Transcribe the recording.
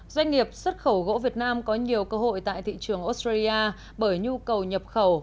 doanh nghiệp xuất khẩu gỗ việt nam có nhiều cơ hội tại thị trường australia bởi nhu cầu nhập khẩu